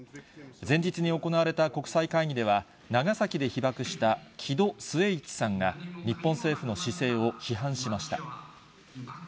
前日に行われた国際会議では、長崎で被爆した木戸季市さんが、日本政府の姿勢を批判しました。